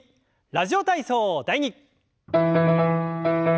「ラジオ体操第２」。